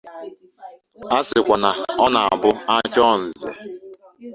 A sịkwa na ọ na-abụ a chọọ nze